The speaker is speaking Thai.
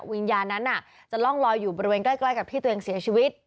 วิญญาณนั้นจะร่องลอยอยู่บริเวณใกล้กับที่ตัวเองเสียชีวิต